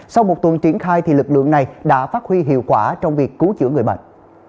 sau một tuần triển khai lực lượng này đã phát huy hiệu quả trong việc cứu chữa người bệnh